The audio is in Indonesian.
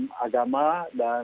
jadi ini adalah perbedaan